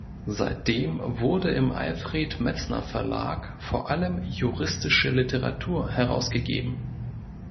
Seitdem wurde im "Alfred Metzner Verlag" vor allem juristische Literatur herausgegeben.